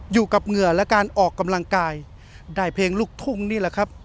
เหงื่อและการออกกำลังกายได้เพลงลูกทุ่งนี่แหละครับ